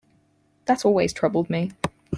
That always troubled me.